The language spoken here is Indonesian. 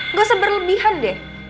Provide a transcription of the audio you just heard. nggak usah berlebihan deh